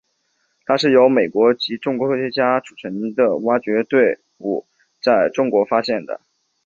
它是由美国及中国科学家组成的挖掘队伍在中国发现的。